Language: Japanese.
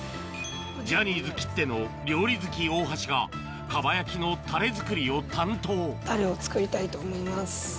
ジャニーズきっての料理好き大橋がを担当タレを作りたいと思います。